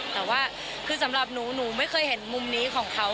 แต่ว่าคือสำหรับหนูหนูไม่เคยเห็นมุมนี้ของเขา